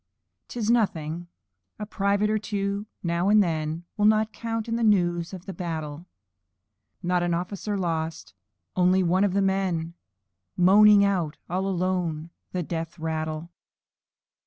'Tis nothing! a private or two now and then Will not count in the news of a battle; Not an officer lost! only one of the men Moaning out, all alone, the death rattle.